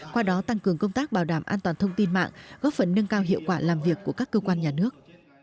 qua đó tăng cường công tác bảo đảm an toàn thông tin mạng góp phần nâng cao hiệu quả làm việc của các cơ quan nhà nước